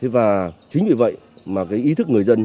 và chính vì vậy mà cái ý thức người dân